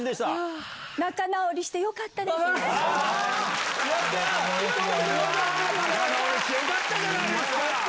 仲直りしてよかったじゃないですか。